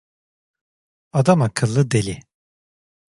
Adamakıllı deli.